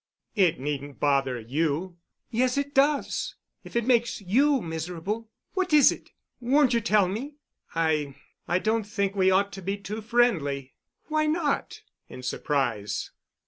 "It needn't bother you." "Yes, it does—if it makes you miserable. What is it? Won't you tell me?" "I—I don't think we ought to be too friendly." "Why not?" in surprise.